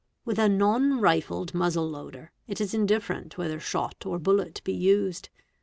Log With a non rifled muzzle loader, it is indifferent whether shot or bullet be used.